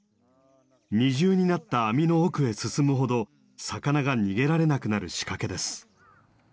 二重になった網の奥へ進むほど魚が逃げられなくなる仕掛けです。